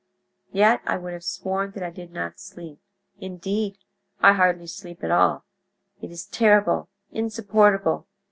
Yet I would have sworn that I did not sleep—indeed, I hardly sleep at all. It is terrible, insupportable!